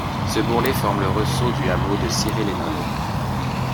Ce bourrelet forme le ressaut du hameau de Cirey-les-Nolay.